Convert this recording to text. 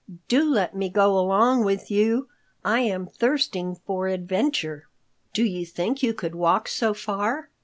Do let me go along with you! I am thirsting for adventure." "Do you think you could walk so far?"